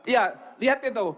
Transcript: ya lihat itu